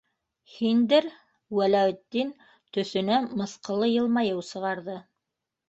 Һиндер, — Вәләүетдин төҫөнә мыҫҡыллы йылмайыу сығарҙы.